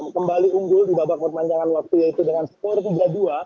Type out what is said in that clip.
kembali unggul di babak perpanjangan waktu yaitu dengan skor tiga dua